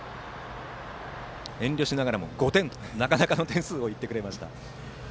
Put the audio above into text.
遠慮しながらも５点となかなかの点数を言ってくれました。